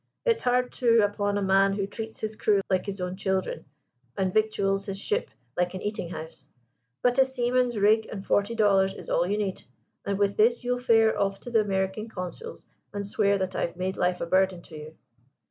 It's hard, too, upon a man who treats his crew like his own children, and victuals his ship like an eating house: but a seaman's rig and forty dollars is all you need, and with this you'll fare off to the American Consul's and swear that I've made life a burden to you.'